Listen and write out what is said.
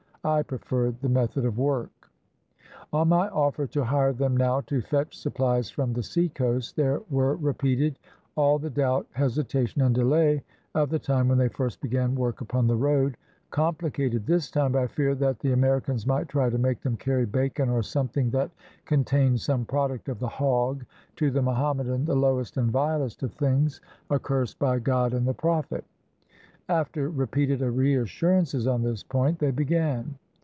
I preferred the method of work. On my offer to hire them now to fetch supplies from the seacoast, there were repeated all the doubt, hesita tion, and delay of the time when they first began work upon the road, complicated this time by fear that the Americans might try to make them carry bacon or some thing that contained some product of the hog, to the Mohammedan the lowest and vilest of things, accursed of God and the Prophet. After repeated reassurances on this point, they began.